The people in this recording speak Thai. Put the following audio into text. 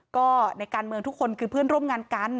ก็ในการเมืองทุกคนคือเพื่อนร่วมงานกัน